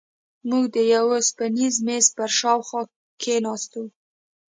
موږ د یوه اوسپنیز میز پر شاوخوا کېناستو.